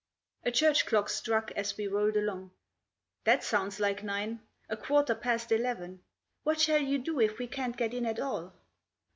A church clock struck as we rolled along. "That sounds like nine — a quarter past eleven. What shall you do if we can't get in at all